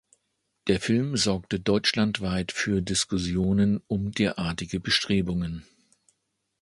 Der Film sorgte deutschlandweit für Diskussionen um derartige Bestrebungen.